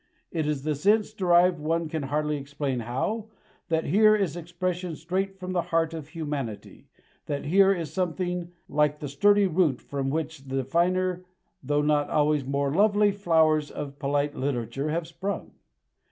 It is the sense, derived one can hardly explain how, that here is expression straight from the heart of humanity; that here is something like the sturdy root from which the finer, though not always more lovely, flowers of polite literature have sprung.